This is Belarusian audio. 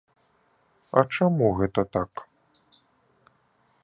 А чаму гэта так?